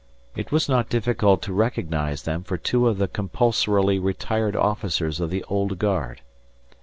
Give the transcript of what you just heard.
It was not difficult to recognise them for two of the compulsorily retired officers of the Old Guard.